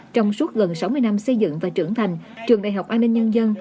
trong suốt gần sáu mươi năm xây dựng và trưởng thành trường đại học an ninh nhân dân